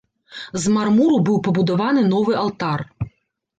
З мармуру быў пабудаваны новы алтар.